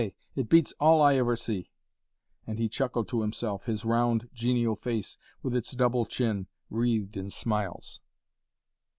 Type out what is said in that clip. it beats all I ever see," and he chuckled to himself, his round, genial face, with its double chin, wreathed in smiles.